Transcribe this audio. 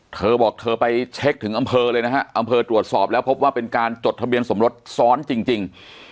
เธอบอกเธอไปเช็คถึงอำเภอเลยนะฮะอำเภอตรวจสอบแล้วพบว่าเป็นการจดทะเบียนสมรสซ้อนจริง